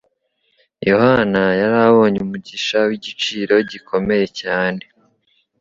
Yohana yari abonye umugisha w'igiciro gikomeye cyane.